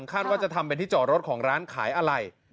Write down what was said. คาดว่าจะทำเป็นที่จอดรถของร้านขายอะไหล่